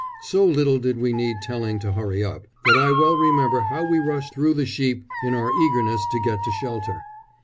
So little did we need telling to hurry up, that I well remember how we rushed through the sheep in our eagerness to get to shelter.